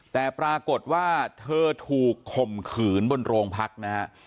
แต่ปรากฏว่าเธอถูกข่มขืนบนโรงพักนะฮะ